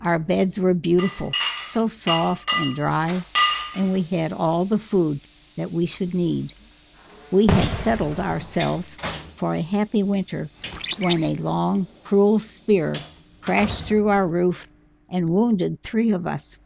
Our beds were beautiful so soft and dry and we had all the food that we should need. We had settled ourselves for a happy winter when a long cruel spear crashed through our roof and wounded three of us.